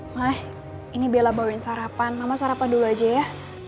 mai ini bela bawain sarapan mama sarapan dulu aja ya